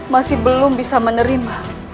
masih belum bisa menerima